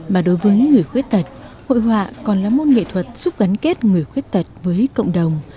mà đối với người khuyết tật hội họa còn là môn nghệ thuật giúp gắn kết người khuyết tật với cộng đồng